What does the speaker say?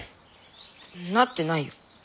なってないよ。